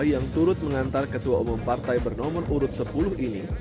yang turut mengantar ketua umum partai bernomor urut sepuluh ini